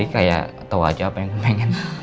kayak tau aja apa yang gue pengen